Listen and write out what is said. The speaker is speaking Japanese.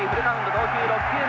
投球６球目。